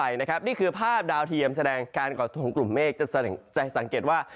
นี้เป็นต้นไปนะครับนี่คือภาพดาวเทียมแสดงการกอดทรงกลุ่มเมฆจะแสดงใจสังเกตว่า